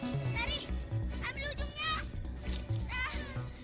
kamu jangan bergerak jalan jalan